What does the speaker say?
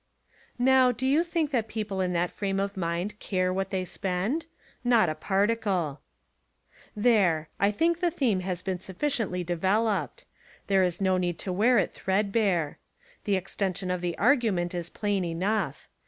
Now, do you think that people in that frame of mind care what they spend? Not a particle. There! I think the theme has been suffi ciently developed. There is no need to wear It threadbare. The extension of the argument is plain enough.